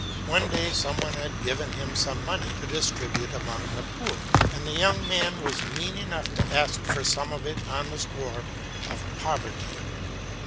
One day some one had given him some money to distribute among the poor, and the young man was mean enough to ask for some of it on the score of poverty.